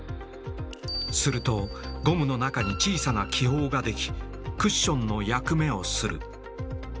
するとゴムの中に小さな気泡が出来クッションの役目をする。